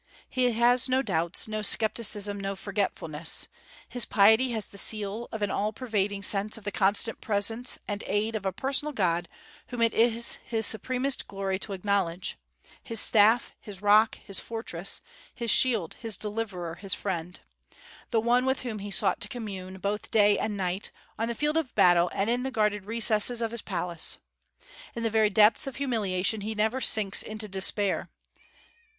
He has no doubts, no scepticism, no forgetfulness. His piety has the seal of an all pervading sense of the constant presence and aid of a personal God whom it is his supremest glory to acknowledge, his staff, his rock, his fortress, his shield, his deliverer, his friend; the One with whom he sought to commune, both day and night, on the field of battle and in the guarded recesses of his palace. In the very depths of humiliation he never sinks into despair.